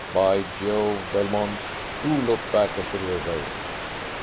By Jove, Belmont, do look back at the river."